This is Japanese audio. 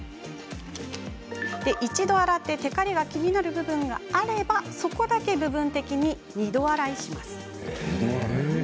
一度洗ってテカリが気になる部分があればそこだけ部分的に二度洗いします。